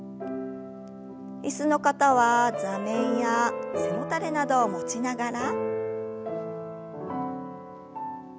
椅子の方は座面や背もたれなどを持ちながら。